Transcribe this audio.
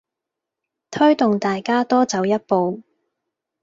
推動大家多走一步